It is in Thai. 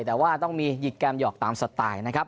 แต่ว่าต้องมีหยิกแกมหยอกตามสไตล์นะครับ